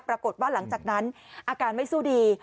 ปรากฏว่าหลังจากนั้นอาการไม่สู้ดี